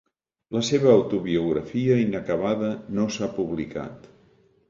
La seva autobiografia inacabada no s'ha publicat.